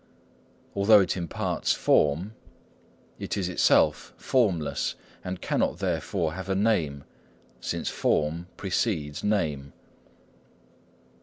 Although it imparts form, it is itself formless, and cannot therefore have a name, since form precedes name.